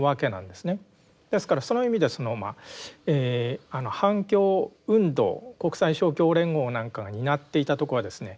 ですからその意味では反共運動国際勝共連合なんかが担っていたとこはですね